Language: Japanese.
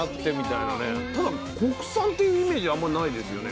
ただ国産っていうイメージあんまないですよね。